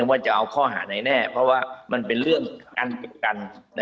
ว่าจะเอาข้อหาไหนแน่เพราะว่ามันเป็นเรื่องอันกัน